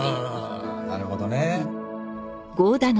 なるほどね。